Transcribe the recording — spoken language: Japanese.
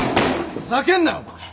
ふざけるなよお前！